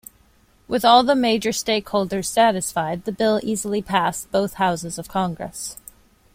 With all the major stakeholders satisfied, the bill easily passed both houses of Congress.